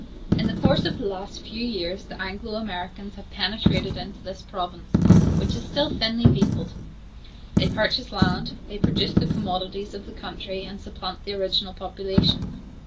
In the course of the last few years the Anglo Americans have penetrated into this province, which is still thinly peopled; they purchase land, they produce the commodities of the country, and supplant the original population.